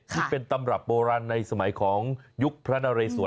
ที่เป็นตำรับโบราณในสมัยของยุคพระนเรศวร